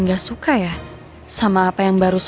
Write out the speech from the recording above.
jelas dua sudah ada bukti lo masih gak mau ngaku